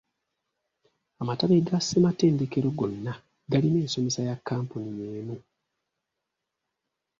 Amatabi ga ssematendekero gonna galina ensomesa ya kampuni yemu.